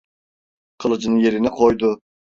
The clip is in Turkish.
Kılıcını yerine koydu.